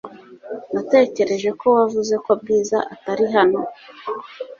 Natekereje ko wavuze ko Bwiza atari hano .